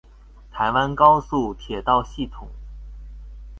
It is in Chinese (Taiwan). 台灣高速鐵道系統